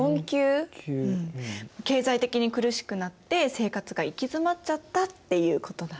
経済的に苦しくなって生活が行き詰まっちゃったっていうことだね。